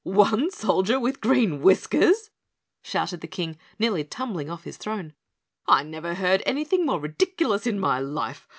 "One soldier with green whiskers!" shouted the King, nearly tumbling off his throne. "I never heard anything more ridiculous in my life.